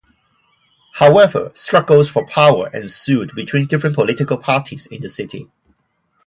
However, struggles for power ensued between different political parties in the city.